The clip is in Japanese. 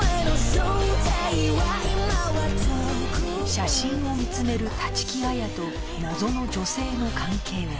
写真を見つめる立木彩と謎の女性の関係は？